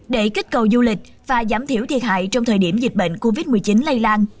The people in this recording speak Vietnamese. để kích cầu du lịch và giảm thiểu thiệt hại trong thời điểm dịch bệnh covid một mươi chín lây lan